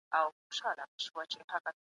د داستان تاریخ باید د واقعیت طرز غوره کړي.